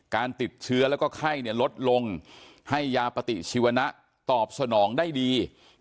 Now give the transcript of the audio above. การติดเชื้อแล้วก็ไข้ลดลงให้ยาปฏิชีวนะตอบสนองได้ดี